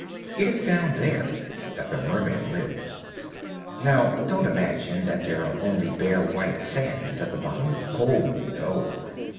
It is down there that the Mermen live. Now don't imagine that there are only bare white sands at the bottom; oh no!